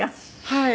はい。